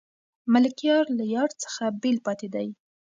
ملکیار له یار څخه بېل پاتې دی.